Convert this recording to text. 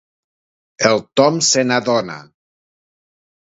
El Tom se n'adona.